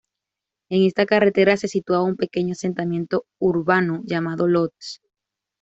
En esta carretera se situaba un pequeño asentamiento urbano llamado Lodz.